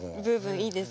いいですか？